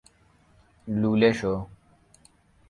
لوله شو